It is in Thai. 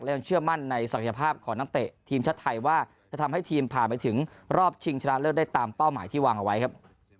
และยังเชื่อมั่นในศักยภาพของนักเตะทีมชาติไทยว่าจะทำให้ทีมผ่านไปถึงรอบชิงชนะเลิศได้ตามเป้าหมายที่วางเอาไว้ครับ